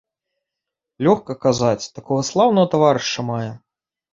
Лёгка казаць, такога слаўнага таварыша мае.